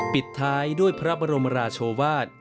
ปิดท้ายด้วยพระบรมราชวาส